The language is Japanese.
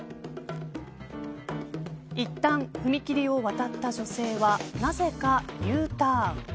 いったん踏切を渡った女性はなぜかＵターン。